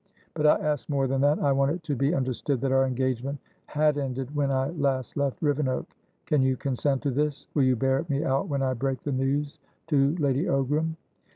But I ask more than that. I want it to be understood that our engagement had ended when I last left Rivenoak. Can you consent to this? Will you bear me out when I break the news to Lady Ogram?"